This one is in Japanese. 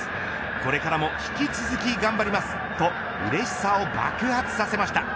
これからも引き続き頑張りますとうれしさを爆発させました。